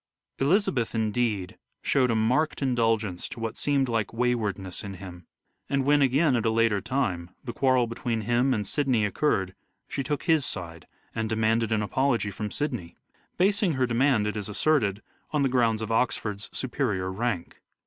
Elizabeth indeed showed a marked indulgence to what seemed like waywardness in him ; and when, again at a later time, the quarrel between him and Sidney occurred she took his side and demanded an apology from Sidney — basing her demand, it is asserted, on the grounds of Oxford's superior rank.